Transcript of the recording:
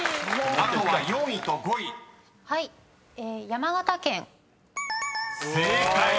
［あとは４位と５位］「山形県」［正解！